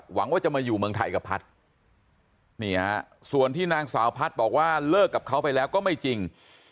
หวังว่าจะมาอยู่เมืองไทยกับพัฒน์นี่ฮะส่วนที่นางสาวพัฒน์บอกว่าเลิกกับเขาไปแล้วก็ไม่จริง